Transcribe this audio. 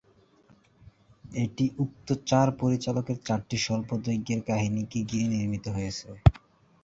এটি উক্ত চার পরিচালকের চারটি স্বল্পদৈর্ঘ্যের কাহিনীকে ঘিরে নির্মিত হয়েছে।